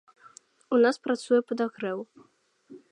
У нас працуе падагрэў.